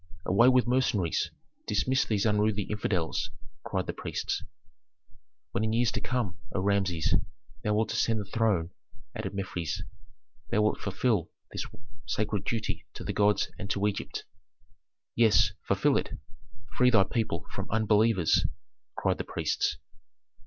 "Away with mercenaries! Dismiss these unruly infidels!" cried the priests. "When in years to come, O Rameses, thou wilt ascend the throne," added Mefres, "thou wilt fulfil this sacred duty to the gods and to Egypt." "Yes, fulfil it! free thy people from unbelievers!" cried the priests.